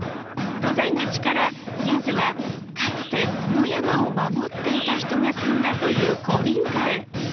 登山口からまずはかつてこの山を守っていた人が住んだという古民家へ。